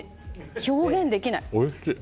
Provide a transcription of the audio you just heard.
表現できない。